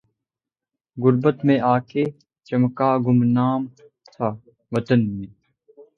غربت میں آ کے چمکا گمنام تھا وطن میں